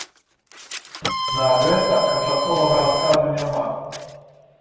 На гэта канчатковага адказу няма.